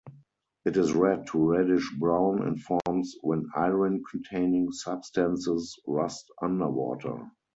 It is red to reddish brown and forms when iron-containing substances rust underwater.